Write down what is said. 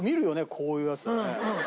こういうやつだよね。